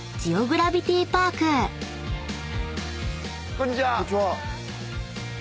こんにちは。